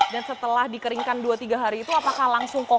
dan setelah dikeringkan dua tiga hari itu apakah langsung kokoh